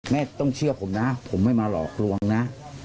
ต้องเชื่อผมนะผมไม่มาหลอกลวงนะ